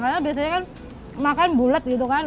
karena biasanya kan makan bulet gitu kan